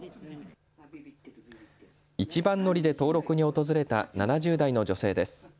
一番乗りで登録に訪れた７０代の女性です。